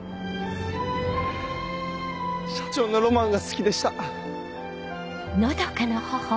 社長のロマンが好きでした。